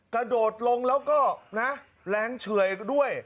กระโดดลงแล้วก็นะแรงเฉื่อยด้วย